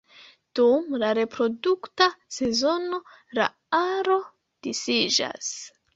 Dum la reprodukta sezono la aro disiĝas.